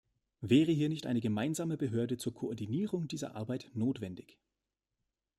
Wäre hier nicht eine gemeinsame Behörde zur Koordinierung dieser Arbeit notwendig?